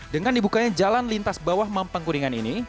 dengan dibukanya jalan lintas bawah mampang kuringan ini